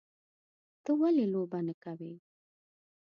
_ته ولې لوبه نه کوې؟